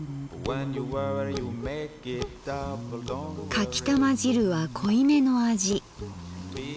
「かきたま汁は濃い目の味。